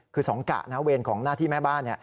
คือสองกะนะเวรของหน้าที่แม่บ้าน